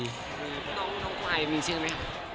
น้องไขมีชื่อไหมครับ